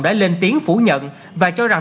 đã lên tiếng phủ nhận và cho rằng